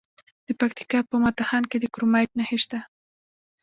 د پکتیکا په متا خان کې د کرومایټ نښې شته.